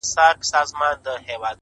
o غوږ سه راته،